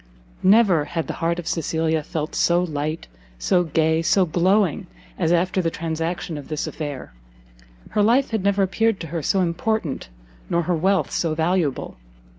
Never had the heart of Cecilia felt so light, so gay, so glowing as after the transaction of this affair: her life had never appeared to her so important, nor her wealth so valuable.